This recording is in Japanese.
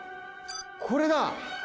これだ。